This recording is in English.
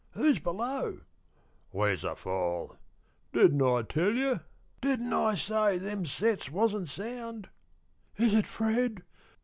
"Who's below?" "Where's the fall?" "Didn't I tell you? Didn't I say them sets wasn't sound?" "Is it Fred?